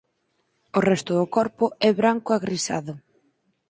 O resto do corpo é branco agrisado.